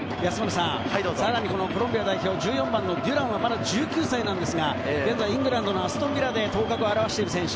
コロンビア代表１４番のデュランはまだ１９歳なんですが、現在イングランドのアストンビラで頭角を現している選手。